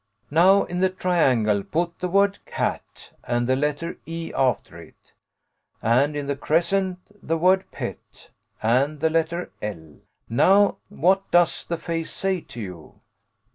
Now in the triangle put the word CAT and the letter E after it, and in the crescent the word PET and the letter L. Now what does the face say to you